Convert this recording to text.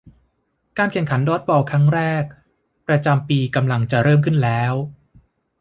การแข่งขันดอดจ์บอลครั้งแรกประจำปีกำลังจะเริ่มขึ้นแล้ว